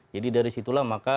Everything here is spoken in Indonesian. jadi dari situlah maka